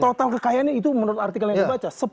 total kekayaannya itu menurut artikel yang dibaca